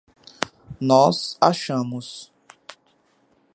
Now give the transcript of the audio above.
Nós achamos